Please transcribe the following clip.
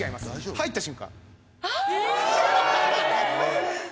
入った瞬間。